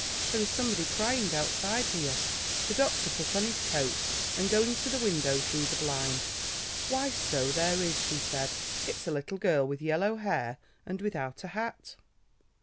There is somebody crying outside here." The doctor put on his coat, and, going to the window, drew the blind. "Why, so there is," he said. "It's a little girl with yellow hair and without a hat."